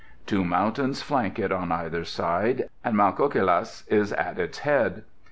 Two mountains flank it on either side, and Mount Khokilas is at its head.